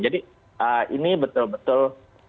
jadi ini betul betul